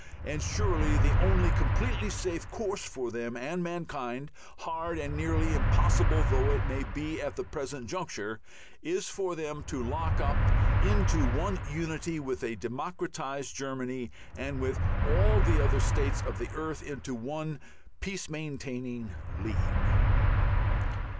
And surely the only completely safe course for them and mankind hard and nearly impossible though it may seem at the present juncture is for them to lock up into one unity with a democratized Germany and with all the other states of the earth into one peace maintaining League.